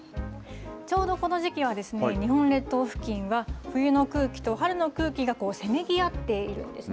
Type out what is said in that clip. ちょうどこの時期は日本列島付近は、冬の空気と春の空気がせめぎ合っているんですね。